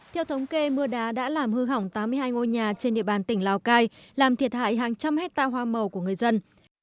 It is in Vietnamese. theo thống kê mưa đá đã làm hư hỏng tám mươi hai ngôi nhà trên địa bàn tỉnh lào cai làm thiệt hại hàng trăm hectare hoa màu của người dân